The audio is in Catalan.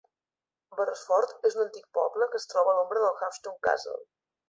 Barrasford és un antic poble que es troba a l'ombra del Haughton Castle.